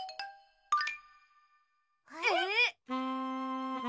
えっ？